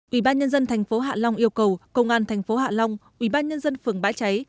ủy ban nhân dân tp hạ long yêu cầu công an tp hạ long ủy ban nhân dân phường bãi cháy